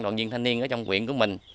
đoàn viên thanh niên ở trong huyện của mình